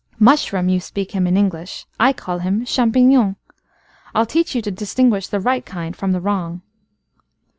Mushroom you spik him English,I call him champignon:I 'll teach you to distinguishThe right kind from the wrong."